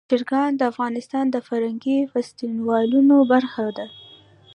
چرګان د افغانستان د فرهنګي فستیوالونو برخه ده.